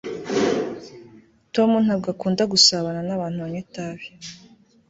tom ntabwo akunda gusabana nabantu banywa itabi